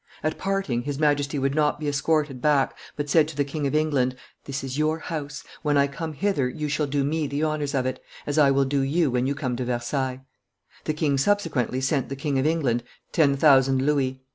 At parting, his Majesty would not be escorted back, but said to the King of England, 'This is your house; when I come hither you shall do me the honors of it, as I will do you when you come to Versailles.' The king subsequently sent the King of England ten thousand louis.